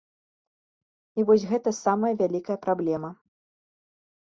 І вось гэта самая вялікая праблема.